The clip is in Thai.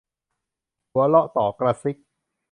หัวเราะต่อกระซิก